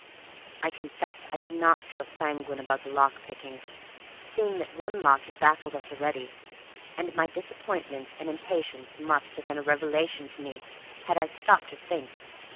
I confess I did not feel sanguine about the lock picking, seeing that one lock had baffled us already; and my disappointment and impatience must have been a revelation to me had I stopped to think.